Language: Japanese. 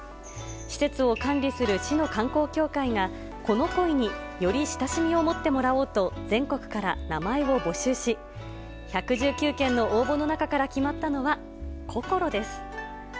施設を管理する市の観光協会が、このコイにより親しみを持ってもらおうと、全国から名前を募集し、１１９件の応募の中から決まったのは、こころです。